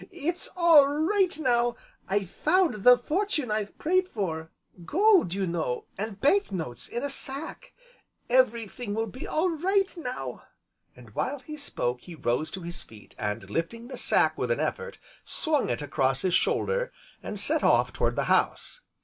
"It's all right, now, I've found the fortune I've prayed for, gold, you know, an' banknotes in a sack. Everything will be all right again now." And, while he spoke, he rose to his feet, and lifting the sack with an effort, swung it across his shoulder, and set off toward the house.